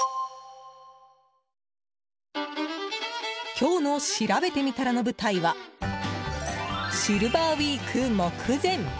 今日のしらべてみたらの舞台はシルバーウィーク目前！